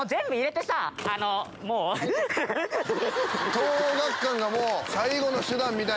東桜学館がもう。